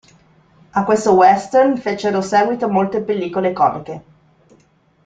A questo western fecero seguito molte pellicole comiche.